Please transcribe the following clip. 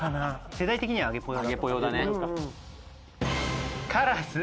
世代的にはあげぽよ。